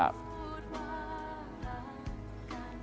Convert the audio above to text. ว่า